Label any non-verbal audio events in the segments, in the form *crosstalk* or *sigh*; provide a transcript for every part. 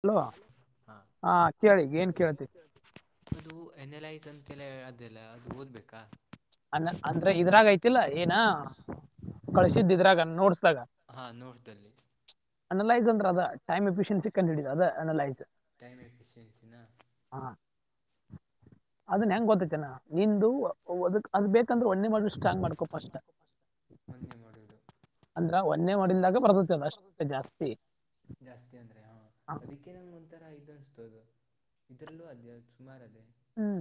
Hello ಹಾ ಹ ಕ ಏನ್ ಅದು ಎನಲೈಸ್ ಅಂತೆಲ್ಲ ಹೇಳ್ದಲ್ಲ ಅದು ಓದ್ಬೇಕಾ ಅ ಅಂದ್ರೆ ಇದ್ರಾಗ ಐತಿಲ್ಲ ಏನ ಕಳ್ಸಿದ್ದ ಇದ್ರಾಗ ನೋಡ್ಸ್ ಹಾ ನೋಡ್ತಲ್ಲಿ ಅನಲೈಸ್ ಅಂದ್ರೆ ಅದ ಟೈಮ್ ಎಫಿಷಿಯನ್ಸಿ ಕಂಡಿಡು ಅದ ಅನಲೈಸ್ ಟೈಮ ಎಫಿಸಿಯನ್ಸಿಿನ ಅದನ್ನ ಹೆಂಗ ಗೊತ್ತೈತನಾ ನಿಂದು ಒಂದು ಅದ ಬೇಕಂದ್ರೆ ಒಣ್ಣೆ ಮಾಡ್ ಷ್ಟ ಹಂಗ್ ಮಾಡ್ಕೊಷ್ಟ ಅಂದ್ರ ಒನ್ನೆ ಮಾಡಲದಗ ಬರ್ಬೇಕುದ ಅಷ್ಟೇ ಜಾಸ್ತಿ ಹಾ ಅದಕ್ಕೆೇ ನಂಗ್ ಒಂಥರ ಆಯ್ತು - *unintelligible* ಇದ್ರಲ್ಲೂ ಅದೇ ಸುಮಾರು ಅದೇ ಹ್ಮ್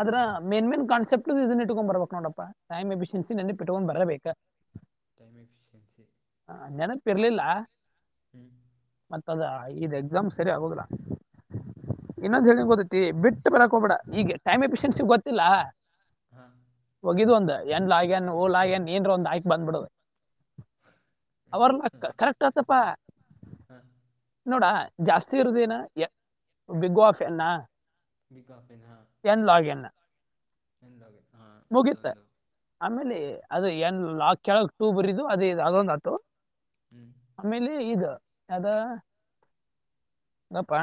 ಅದ್ರ ಮೇನ್ ಮೇನ್ ಕಾನ್ಸೆ್ಟ ಇದನ್ನ ಇಟ್ಕೊಂಡ್ ಬರ್ಬಬೇಕಕ್ ನೋಡಾ ಟೈಮ್ ಎಫಿಷಿಯನ್ಸಿ ನ ಇಟ್ಕೊಂಡ್ ಬರಬೇಕಾ. ಟೈಮ್ ಎಫಿಷಿಯನ್ಸ ಹ ನೆನಪ ಇರ್ಲಿಲ್ಲ ಹ್ಮ್ ದಾ ಇದು ಎಕ್ಸಾಮ್ ಸರಿ ಆಗೋಗಲಾ ಇನ್ನೊಂದು್ ಹೇಳಿಂಗ ಗೊತ್ತತಿ ಬಿಟ್ಟ ಟ್ಟು ಬರಕ್ ಹೋಗ್ಬೇಡ ಈಗ ಟೈಮ್ ಎಫಿಷಿಯನ್ಸಿ ಗೊತ್ತಿಲ್ಲ ಹೋಗಿದು ಒಂದು ಎನ್ಲ ಆಗ್ಯನ್ ಹೂಲ್ ಆಗ್ಯನ್ ಏನ್ರ ಒಂದ್ ಆಯಕ್ ಬಂದ್ಬಿಡುದು ಅವರ್ನ್ನ ಕರೆಕ್ಟ ಅತಪ್ಪ ನೋಡಾ ಜಾಸ್ತಿ ಇರುದಿನ ಯ ಬಿಗ್ವಾಾಫ ನಾ. ಬಿಕೊಪೆ ನ ಎಂದ ಹಾಗೆ ಮುಗಿತ ಆಮೇಲೆ ಅದು ಎನ್ ಲಾಕ್ ಕೆೇಳಕ್ ಟೂ ಬರಿದು ಅದ ಇ ಅದೊಂದ್ ಆತು ಆಮೇಲೆ ಇದು ಅದ ಗಪ್ಪಾ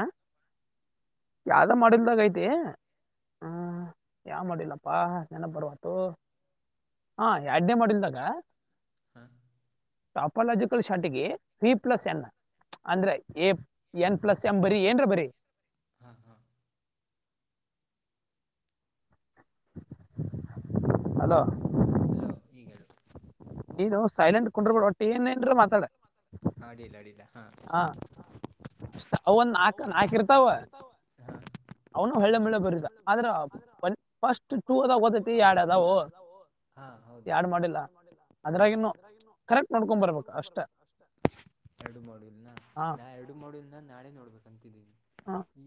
ಯಾವ್ದ ಮಾಡಲ್ದಾಗಐತಿ ಹ ಹ್ಮ ಯಾವ್ ಮಾಡಿಲ್ಲಪ್ಪಾ ನೆನಪ ಬರವಲ್ತು ಹಾ ಎಡ್ನೇ ಮಾಡಿಲ್ದಾಗ ಹಾ ಟಾಪಾಲಜಿಕಲ್ ಶಾಟಿಗೆ ವಿ ಪ್ಲಸ್ ಎನ್ ಅಂದ್ರೆ ಎ ಎನ್ ಪ್ಲಸ್ ಎಮ್ ಬರೀ ಏನ್ರ ಬರರಿ *inaudible* ಹಲೋ ಹಲೋ ಈಗ ಹೇಳು ನೀನು ಸೈಲೆಂಟ್ ಕುಂಡ್ರ ಬ್ಯಾಡ್ ಒಟ್ಟೆ ಏನೇನ್ರ ಮಾತಾಡ. ಅಡ್ಲ್ *unintelligible* ಅಡಿದಗ ಹಾ ಅಷ್ಟ ಅವನ್ ನಾಕ ನಾಕ ಇರ್ತಾವ. ಅವನು ಹಳ್ಳೆ ಮಳ್ಳೆ ಬರಿದ ಆದ್ರ ಬ ಫಸ್ಟ್ ಟೂ ಅದಾಗ ಗೊತ್ತೈತಿ ಎಡ ಅದಾವ. ಹ ಹೌದೌದು ಯ್ಯಾಡ್ ಮಾಡಿಲ್ಲ ಅದ್ರಾಗಿನು ಕರೆಕ್ಟ್ ನೋಡ್ಕೊಂಡ್ ಬರ್ಬೇಕು ಅಷ್ಟ. ಎರಡು ಮಾಡ್ಯುಲ್ ನಾ ಎರಡು ಮಾಡ್ಯುಲ್ ನ ನಾಳೆ ನೋಡ್ಬೇಕು ಅಂತಿದ್ದೀ.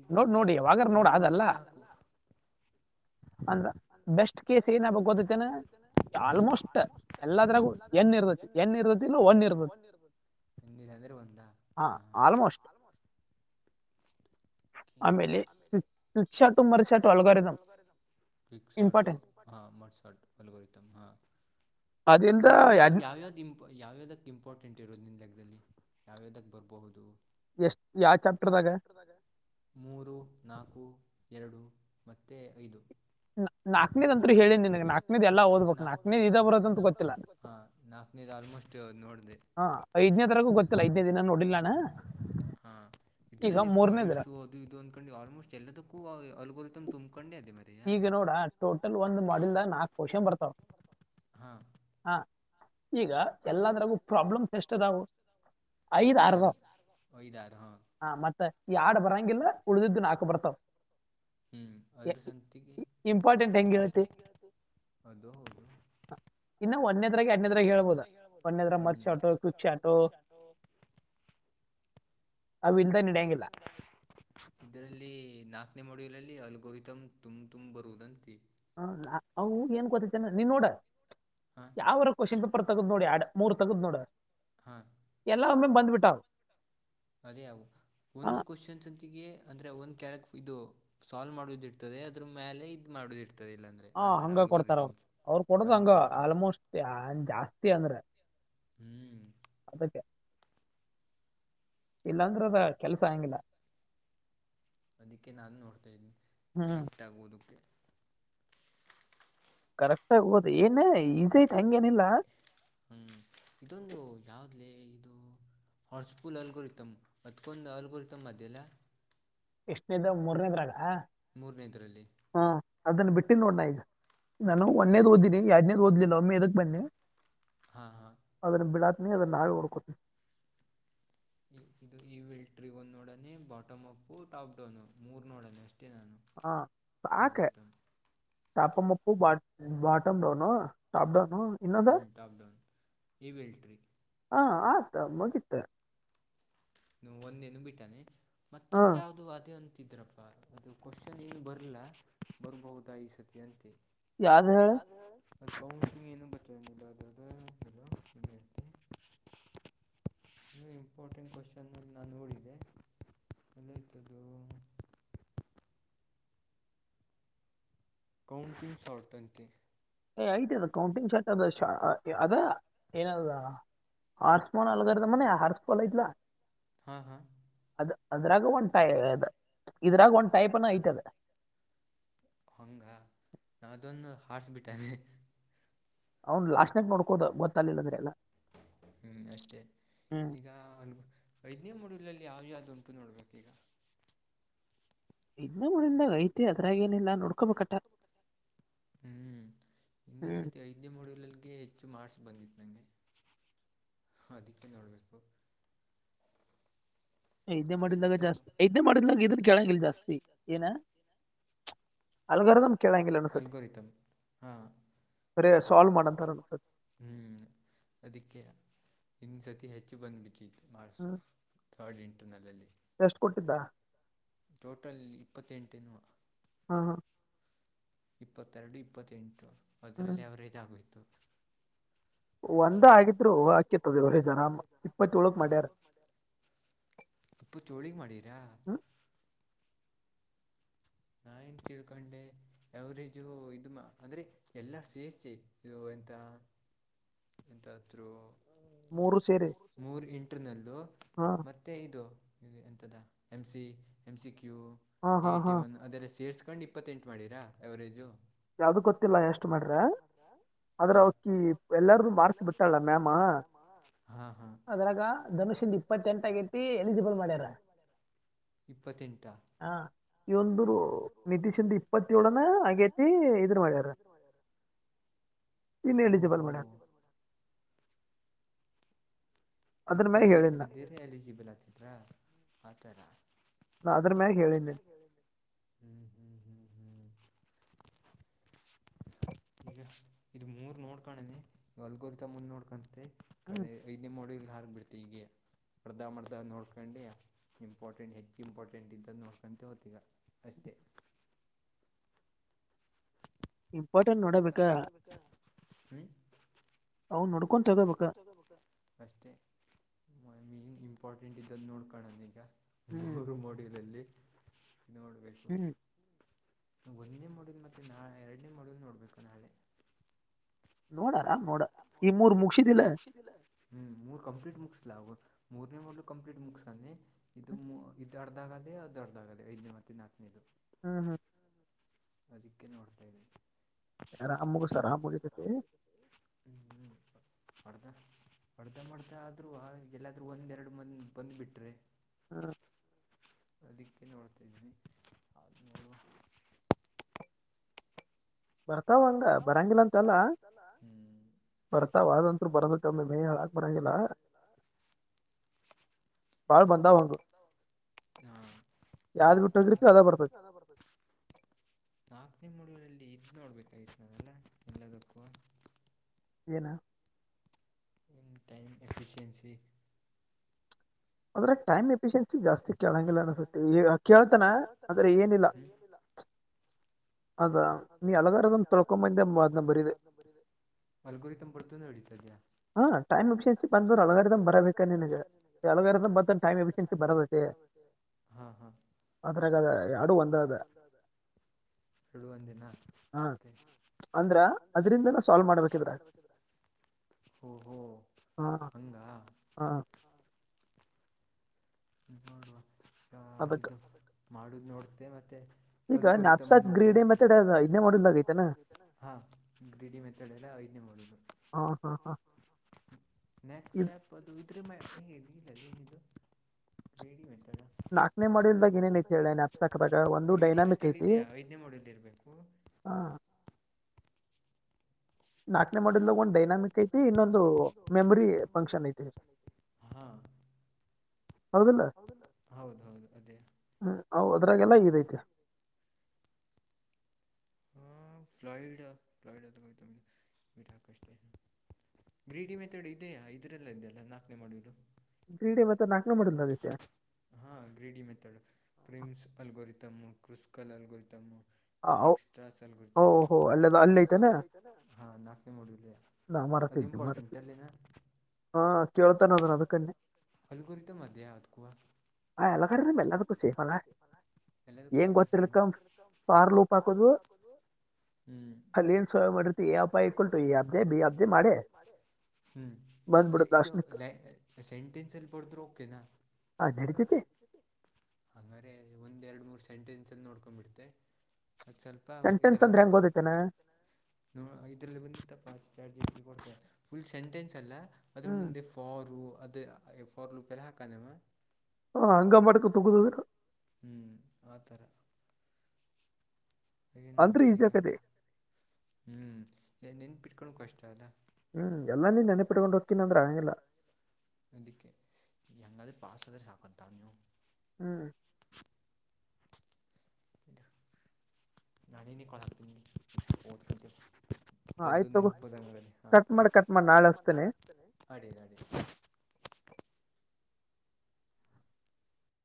ಈಗ ನೋಡಿ ನೋಡಿ ಮೂರು ಮತ್ತ ನಾಲ್ಕು ಅಂದ ಬೆಸ್ಟ್ ಕೇಸ್ ಏನ್ ಗೊತ್ತದನು ಆಲ್ಮೋಸ್ಟ್ ಎಲ್ಲಾದ್ರಾಗೂ ಎನ್ ಇರಬೇಕು ಎನ್ ಇರ್ ಒಂದ ಇರ್ಬೇಕು ಎನ್ ಅಂದ್ರ ಒಂದಾ ಅ ಅ ಆಲ್ಮೋಸ್ಟ್. *inaudible* *inaudible* ಬಿಗ್ಗ ಶಾಟು ಹಾ ಮರ್ಶಾಟು ಅಲ್ಗರಿದಂ ಹಾ ಅಲ್ಗರಿದಂ ಯಾವ್ಯಾವ್ ಯಾವ್ಯಾವಕ್ ಇಂಪಾರ್ಟೆಂಟ್ ಇರುತ್ತೆ ನೀನ್ ಜಾಗದಲ್ಲಿ ಯಾವ್ಯದ್ಯಾದಕ್ಕ ಬರಬಹುದು ಎಷ್ಟ ಯಾವ ಚಾಪ್ಟರ್ದಾಗ ಮೂರು ನಾಕು ಎರಡು ಮತ್ತೆ ಐದು ನಾಕನೇದ್ ಅಂತೂರು ಹೇಳೇ ನಿನ್ಗೆ ನಾಕನೇದು ಎಲ್ಲಾ ಓದ್ಬೇಕಕ್ ನಾಕನೇದು ಇದ ಬರೋದಂತ ಗೊತ್ತಿಲ್ಲ ಹಾ ಐದನೇ ದರಗು ಗೊತ್ತಿಲ್ಲ ಐದನೇ ದಿನ ನೋಡಿಲ್ಲಣ್ಣ ನಾನು ಹಾ ಇದರಲ್ಲಿ ಫ್ಲಾಯಿಡ್ಸ ಅದು ಇದು ಅನ್ಕೊಂಡು ಆಲ್ಮೋಸ್ಟ್ ಎಲ್ಲದಕ್ಕೂ ಅಲ್ಗರಿದಂ ತಮ್ಮ ತುಕೊಂಡೆ ಈಗ ನೋಡ ಟೋಟಲ್ ಒಂದು ಮಾಡ್ಯುನಾಗ ನಾಲ್ಕು ಕ್ವಶ್ಚನ್ ಬರ್ತಾವ ಹ ಈಗ ಎಲ್ಲದ್ರಗೂ ಪ್ರಾಬ್ಲಮ್ಸ್ ಎಷ್ಟದವು ಐದು ಅರ್ ಮತ್ತ ಈ ಯಾಡ್ ಬರಂಗಿಲ್ಲ ಉಳ್ದಿದ್ದ ನಾಕ ಬರ್ತಾವ ಹ್ಮ್ ಅದ್ರ ಇಂಪಾರ್ಟಂಟ್ ಎಂಗ ಹೆಗ್ಗೆಲ್ತಿ ಅದು ಹೌದು ಇನ್ನು ಒನ್ನೆದ್ರಾಗ ಎರಡನೇದ್ರಾಗ ಹೇಳ್ಬೋದ ಒನೆದಾಗ್ರ ಮರ್ಚ ಚಾಟು ಕ್ವಿಕ್ಕಚ್ಚಾಟು *inaudible* ಇದರಲ್ಲಿ ನಾಲ್ಕನೇ ಮಾಡ್ಯುಲಲ್ಲಿ ಅಲ್ಗುರಿತಂ ತುಂಬ ತುಂಬರುದಂತಿ ಹ ಅವು ಏನ್ ಗೊತ್ತತನ ನೀನ್ ನೋಡ ಯಾವರ ಕಕುಎಸ್ಷನ್ ಪೇಪರ್ ತಗ್ದ ನೋಡ ಯಾಡ್ ಮೂರ್ ತಗದ್ ನೋಡು ಎಲ್ಲ ಒಮ್ಮೆ ಬಂದ್ಬಿಟ್ಟವ ಅದೇ ಒಂದ್ ಕ್ವಶ್ಚನ್ಸತಿಗೆ ಅಂದ್ರೆ ಒಂದ್ ಕೆಳಕ್ ಇದು ಸಾಲ್ವ್ ಮಾಡೋದ ಇರ್ತದೆ ಅದ್ರ ಮ್ಯಾಲೆ ಇದು ಮಾಡು ಹ ಹಂಗ ಕೊಡ್ತಾರ ಅವರು ಅವರು ಕೊಡ್ದ್ ಹಂಗ ಆಲ್ಮೋಸ್ಟ್ ಜಾಸ್ತಿ ಅಂದ್ರೆ ಅದಕ್ಕೆ ಇಲ್ಲಾಂದ್ರ ಅದ ಕೆಲಸ ಆಂಗಿಲ್ಲ ಅದಕ್ಕೆ ನಾನು ನೋಡ್ತಾ ಇದೀನಿ ಕರೆಕ್ಟ್ ಆಗೋದಕ್ಕೆ ಕರೆಕ್ಟ್ ಆಗಿ ಓದಿ ಏನ್ ಈಸಿ ಐತಿ ಹ್ಮ್ ಇದೊಂದು ಯಾವ್ದ್ಲ ಇದು ಹಾರ್ಸ್ ಪೂಲ್ ಅಲ್ಗುರಿತಮ್ಮ ಬತ್ಕೊಂಡ್ ಅಲ್ಗುರಿತಮ್ಮ ಅದಲ್ಲ ಎಷ್ಟನೇದ ಮೂರನೇದ್ರಾಗ ಮೂರನೇದರಲ್ಲಿ ಅದನ್ನ ಬಿಟ್ಟಿ ನೋಡ ನಾ ಈಗ ನಾನು ಒಂದೇದ್ ಓದಿನಿ ಯಾರ್ಡ್ನೇದ ಓದದಿಲ್ಲ ಒಮ್ಮೆ ಇದಕ್ ಬನ್ನಿ ಅದನ್ನ ಬಿಡಾತ್ನಿ ಅದನ್ನ ನಾವೇ ನೊಡ್ಕೋತನಿ ಇದು ಈ ವಿಲ್ಟ್ರಿ ಒಂದು ನೋಡಣನೆ ಬಾಟಮ್ ಅಪ್ ಟಾಪ್ ಡೌನು ಮೂರ್ ನೋಡಣಿ ಅಷ್ಟೆ ಹಾ ಸಾಕ *inaudible* ಬ ಬಾಟಮ್ಡನು ಾಪಡನು ಹ್ಮ್ ಪ್ರಾಬ್ಲೆಮ್ ಈವೆಲ್ಟ್ರಿ *inaudible* ಒಂದೇನು ಅನಿಮಿತ್ತಾನೆ ಮತ್ತೊಂದ ಯಾವ್ದ ಅದೇ ಒಂದು *unintelligible* ದ್ರಪ್ಪಾ ಅದು ಕ್ವಶನ್ ಏನ್ ಬರ್ಲ್ಲ ಬರ್ಬಹುದ ಈ ಸತಿ ಅಂತೆ ಯಾದ ಹೇಳು ಅದುಗ್ ಏನು ಬರ್ತದೆ ಅದದುದ್ಯಥಿ ಇಂಪೋರ್ಟೆಂಟ್ ಕಶನ್ *inaudible* ಕೌಂಟಿಂಗ್ ಶಟ್ಂತಿ ಏ ಐ್ತ ಅದ ಕೌಂಟಿಂಗ್ ಶಾರ್ಟ್ ಅದ ಅದ ಏನದ ಹಾರ್ಸ್್ಮೋನ್ ಅಲ್ಲಗ ತ ಮನೆ ಆರ್ಸ್ ಪೂರ್ಲೈತ್ಲ ಹಾ ಹಾ ಅದ್ ಅದ್ರಾಗ ಒಂದ್ ಟೈ ಅದು ಇದ್ರಾಗ ಒಂದ್ ಟೈಪ್ನ ಐತದೆ ಹಂಗ ನ ಅದನ್ನು ಹಡ್ಸ್ಬಿಟ್ಟನೆ ಅವ್ನ್ ಲಾಸ್ಟ್ನಕ್ ನೋಡ್ಕೋದು ಗೊತ್ತಾಲಿಲ್ಲದ್ರೆಲ್ಲಾ ಹ್ಮ್ ಅಷ್ಟೇ ಈಗ ಅ ಐದನೇ ಮೂಡಿಲ್ಲ ಯಾವ್ಯಾ ಅದು ನೋಡ್ಬೇಕ ಈಗ ಇನ್ನ ಮುಡಿಂದಾಗ ಐತಿ ಅದರಾಗೇನಿಲ್ಲ ನೋಡ್ಕೊಬೇಕಟ್ಟ ಹ್ಮ್ ನೀನ್ಸತಿ ಐದ್ನೆ ಮೂಲ್ಗೆ ಹೆಚ್ಚು ಮಾರ್ಕ್ಸ್ ಬಂದಿತ್ತು ನಂಗೆ ಅದಿಕ್ಕೆ ನೋಡ್ಬೇಕು ಐದ್ದೇ ಮಾಡಿದಲಾಗ ಜಾಸ್ತಿ ಐದ್ದೇ ಮಾಡಿದಲಾಗ ಇದನ್ ಕೇಳಂಗಿಲ್ಲ ಜಾಸ್ತಿ ಏನ ಅಲ್ಗಾರದಮ ಕೇಳಂಗಿಲ್ಲ ಅನು ಸತಿ ಬರೀ ಸಾಲ್ವು ಮಾಡೋದು ಹ್ಮ್ ಅದಕ್ಕೆ ಇಂದುಸರ್ತಿ ಹೆಚ್ಚು ಬಂದ್ಬಿಟ್ಟಿತ್ತು ಮಾಡಸು ಥರ್ಡ್ ಇಂಟರ್ನಲಲ್ಲಿ ಎಷ್ಟು ಕೊಟ್ಟಿದ್ದ ಟೋಟಲ್ ಇಪ್ಪತ್ತೆಂಟೇನುವಾ ಹಾ ಹಾ ಇಪ್ಪತ್ತೆರಡು ಇಪ್ಪತ್ತೆಂಟು ಅದರಲ್ಲಿ ಅವಾವರೇಜ್ ಆಗೋಯ್ತು ಒಂದ ಆಗಿದ್ರು ಹಾಕಿತದ ಏಳ ಜನ ಇಪ್ಪತ್ತ ಏಳಕ್ ಮ್ಯಾರ ಅಪ್ಪು ತೋಳಿಿಗೆ ಮಾಡೀರಾ ಹತ್ತಿಳ್ಕೊಂಡೆ ಯರೇಜು ಇದ ಮಾ ಅಂದ್ರೆ ಎಲ್ಲ ಸೇರಿಸಿ ಇದು ಎಂತ ಎಂತಾದ್ರು ಮೂರ್ ಇಂಟ್ರ ನಲ್ಲೂ ಮತ್ತೆ ಇದು ತದ M C M C Q eighty one ಅರೆ ಸೇರಿಸಸ್ಕೊಂಡು ಇಪ್ಪತ್ತೆಂಟು ಮಾಡಿರಾ ಹ್ಯಾವ್ ರೇಜು ಯಾವ್ದು ಗೊತ್ತಿಲ್ಲ ಎಷ್ಟ ಮಾಡ್ರೆ ಆದ್ರ ಅವಕಿ ಎಲ್ಲಾರೂ ಮಾರ್ಕ್ ಬಿತಾಳ ಮ್ಯಾಮ ಹ ಅದ್ರಾಗ ಧನುಷ್ಯಂದ ಇಪ್ಪತ್ತೆಂಟ ಆಗೈತಿ ಎಲಿಜಿಬಲ್ ಮಾಡ್ಯಾರ ಇಪ್ಪತ್ತೆಂಟ ಒಂದ್ರು ನಿತೀಶ್ಂದ ಇಪ್ಪತ್ತಏೇಳನ ಹಾಗೇ ಅಗೇತಿ ಇದ್ರ ಮಾರ ನಿನ್ ಎಲಿಜಿಬಲ್ ಮಾಡ್ಯ್ ಇಪ್ಪತ್ತೆಂಟು ಬಿದ್ದಿ್ರ ಎಲಿಜಿಬಲ್ ಆತಿದ್ರಾ ಆತರ ಅದ್ರು ಮ್ಯಾಗೆ ಹೇಳಿನಿ ಹ್ಮ್ ಈಗ ಇದು ಮೂರ್ ನೋಡ್ಕಾಣನೆ ಹೊಲ್ಗುರಿತ ಮುಂದ ನೋಡ್ಕೆ ಕಡೆ ಐದನೇ ಮಾಡಲ್ ಹಾಗ್ಬಿಡ್ತೆ ಈಗೆ ಅರ್ಧ ಮರ್ದ ನೋಡ್ಕೊಂಡು ಇಂಪಾರ್ಟೆಂಟ್ ಹೆಚ್ಚು ಇಂಪಾರ್ಟೆಂಟ್ ಇದ್ದ್ದ ನೋಡ್ಕೊಂತ ಹೋಗ್ತೀಗ ಅಷ್ಟೆ ಎ ಇಂಪಾರ್ಟೆಂಟ್ ನೋಡಬೇಕ ಅವನ್ ನೋಡ್ *unintelligible* ಅಷ್ಟೇ ಮ ಮೇನ್ ಇಂಪಾರ್ಟೆಂಟ್ ಇದಲ್ಲಿ ನೋಡ್ಕೋಳನ ಈಗ ಮೂರು ಮೋಡಿರಲ್ಲಿ ನೋಡಬೇಕು ಒಂದೇ ಮಾಡಲ್ ಮತ್ತೆ ನಾ ಎರಡನೇ ಮಾಡಲ್ ನೋಡ್ಬೇಕು ನಾಳೆ ಮು ಹ್ಮ ಮೂರ್ ಕಂಪ್ಲೀಟ್ ಮುಗಿಸಿದ ಫ್ಲವರ್ ಮೂರನೇ ಮೊಲು ಕಂಪ್ಲೀಟ್ ಮುಕ್ಸ್ ಅ ಇದು ಇದು ಅರ್ಧ ಆಗದೆ ಅದು ಅರ್ ಆಗದೆ ಹದಿನಾಲ್ಕನೇದು ಹ್ಮ್ ಹ್ಮ್ ಅದಕನೆ ಒಡ್ತಾ ಇ *inaudible* ಹ ಆರಾಮಗ ಸ ಆರಾಮ ಬಲಿದ್ದತೆ *unintelligible* ಅರ್ಧ ಅರ್ಧ ಮರದ ಆದ್ರುವಾ ಎಲ್ಲಾದ್ರು ಒಂದ್ ಎರಡು ಮಂತ ಬಂದ್ ಬಿಟ್ರೆ ಹ ಅದಕ್ಕೆ ನೋಡ್ತಾದೀನಿ ಅಂದ್ರು ನೋಡುವಾ ಬರ್ತಾವ ಹಂಗ ಬರಂಗಿಲ್ಲ ಅಂತಲ್ಲ ಬರ್ತಾವ ಆದಂತ್ರು ಬರದಕ್ಕೆಮ್ಮೆ ಮೇಯ ಹೇಳಾಕ ಬರಂಗಿಲ್ಲ ಬಾಳ ಬಂದವ ಹಂಗ ಯಾವದ ಬಿಟ್ಟ ಹೋಗಿರತ್ತಿವಿ ಅದ ಬರ್ತೈತಿ ನಾಕನೇ ಮೂಡೂಲಲ್ಲಿ ಇದ್ ನೋಡ್ಬೇಕಾಗಿತು ಏನ ಇನ್ ಟೈಮ ಎಫಿಷಿಯನ್ಸಿ ಅದ್ರಾಗ ಟೈಮ್ ಅಫಿಶಿಯನ್ಸಿ ಜಾಸ್ತಿ ಕೇಳಂಗಿಲ್ಲ ಅನಸುತ್ತೆ ಕೇಳ್ತಾನ ಆದ್ರೆ ಏನಿಲ್ಲ ಅದ ನೀ ಹಲಗಾರಿದಂನ್ನ ತೊಳ್ಕೊಂಬಂದೆ ಅದ್ನ್ ಬರೀದೆ ಅಲ್ಗಾರಿದಮ್ ಬರ್ದರ ನಡಿತೈದ ಹಾ ಟೈಮ್ ಎಫಿಷಿಯನ್ಸಿ ಬಂದ್ರ ಅಲ್ಗೊರಿದಮ್ ಬರಬೇಕ ನಿನಗ ಅಲ್ಗೊರಿಧಂ ಬಂತ ಟೈಮ ಎಫಿಷಿಯನ್ಸಿ ಬರ ಅದ್ರಾಗ ಎರಡು ಒಂದ ಅದ ಎರಡ ಒಂದ ದಿನ ಮತ್ತೆ ಅಂದ್ರ ಅದರಿಂದನ ಸಾಲ್ವ್ ಮಾಡ್ಬೇಕಿದ್ರ ಓಹೋ ಹಂಗಾ ನೋಡುವ ಇದು ಮಾಡುದು ನೋಡ್ತೆೆ ಮತ್ತೆ ಹಲಗರಿದಂ *inaudible* ಐದನೇ ಮಾಡೆಲ್ ಹಾ ಹಾ ನೆಕ್ಟ್ ಸಪ್ ಅದು ಇದ್ರ ಮ ಹೇ ಇಲ್ಲ ಏನ್ ಇದು ಗ್ರಿಡಿ ಮೆಥಡ್ ನಾಲ್ಕನೇ ಮಾಡಲ್ದಾಗ ಏನೇನ ಐತಿ ಹೇಳಿ ನ್ಯಾಪ್ಸ್ ಹಾಕದಾಗ ಒಂದು ಡೈನಾಮಿಕ್ ಐತಿ ಹ ನಾಲ್ಕನೇ ಮಾಡಲ್ ಒಂದ್ ಡೈನಾಮಿಕ್ ಐತಿ ಇನ್ನೊಂದು ಮೆಮೊರಿ ಫಂಕ್ಷನ್ ಐತಿ ಹೌದಿಲ್ಲ ಅವು ಅದ್ರಾಗೆಲ್ಲ ಇದೈತೆ ಹ *inaudible* ಗ್ರೀಡಿ ಮೆಥಡ್ ಇದೆಯಾ ಇದ್ರಲ್ಲ ಇದೆಯಲ್ಲ ನಾಲ್ಕನೇ ಮಾಡುವಲು ಗ್ರೀಡೆ ಮೆಥಡ್ ನಾಕ ಹಾ ಗ್ರೀಡಿ ಮೆಥಡ್ ಕ್ರೀಮ್ಸ್ ಅಲ್ಗೋರಿದಮ ತಮ್ಮ ಕೃಷಸ ಕಲ ಅಲ್ಗೊರಿದಂ ಡಿಜಿ ಸ್ಟ್ರಾಸ ಅಲ್ಗೊರಿದಂ ಡ ಅದು ಇಂಪೋರ್ಟೆಂಟ್ ಅಲ್ಲನಾ ಹಾ ಕೇಳ್ತಾನ ಅದನ್ ಅದಕನ್ನೇ ದ ಅದು ಕೂವ ಅಲ್ಗೊರಿದಮ್ಮ್ ಎಲ್ಲದಕ್ಕೂ ಸೇಮಲ್ಲ ಏನ್ನ ಗೊತ್ತಿಲ್ಲರಕಂದ್ರ ಪಾರ್ ಲೂಪ ಹಾಕದು ಅಲ್ಲಿನ್ ಸೋಯ ಮೀಟತಿ ಎ ಅಯ ಕುಲ್ತು ಈ ಅಪ್ಜೆ ಬಿ ಅಪ್ಜೆ ಮಾಡೆ ಹ್ಮ್ ಇದು ಸೆಂಟೆನ್ಸ್ ಅಲ್ಲಿ ಬರ್ದ್ರು ಓಕೆನಾ ಹಾ ನಡಿತೈತಿ ಒಂದ ಎರಡು ಮೂರ್ ಸೆಂಟೆನ್ಸ್ ಅಲ್ಲಿ ನೋಡ್ಕೊಂಡ್ಬಿಡುತ್ತೆ ಒಂದ ಸ್ವಲ್ಪ ಇದ್ರಲ್ಲಿ ನೋಡ್ಕೊಂಡ್ ಬತ ಇದ್ರಲ್ಲಿ ಬಂದಿತ್ತಪ ಫುಲ್ ಸೆಂಟೆನ್ಸ್ ಅಲ್ಲ ಅದ್ರ ಮುಂದೆ ಫಾರ ಅದು ಫಾರಯ ಲ್ಲ ಹಾ ಕದವ ಹ ಹಂಗ ಮಾಡ್ಕೋತ್ ಹೋಗೋದ್ ಅದನ್ನ. ಹ್ಮ್ ಆತರ. ಏನ್ ನೋಡ್ತ ಈಗ ಹ್ಮ್ ನೆನ್ ನೆನ್ಪಿಟ್ಕೊಂಡ ಕಷ್ಟ ಅಲ್ಲ. ಹ್ಮ್ ಎಲ್ಲಾನೆ ನೆನಪಿಡ್ಕೊಂಡ ಹೋಕ್ಕಿನ ಅಂದ್ರ ಆಗಂಗಿಲ್ಲ. ಅದಕ್ಕೆ ಎಂಗಾದ್ರ ಪಾಸ ಆದ್ರ ಸಾಕತ್ತ ನೀವು. ಹ್ಮ್ ನಾ ನೀನಗ್ ಕಾಲ್ ಹಾಕ್ತೀನಿ ಓದ್ಕೊಂತೀನಿ. *unintelligible* *unintelligible* ಅಡ್ಡಿ ಇಲ್ಲಾ ಅಡ್ಡಿ ಇಲ್ಲಾ. *unintelligible*